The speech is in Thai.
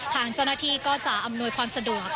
ทางเจ้าหน้าที่ก็จะอำนวยความสะดวก